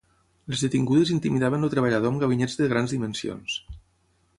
Les detingudes intimidaven el treballador amb ganivets de grans dimensions.